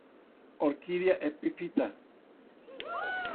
Orquídea epifita.